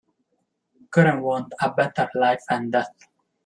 Couldn't want a better life and death.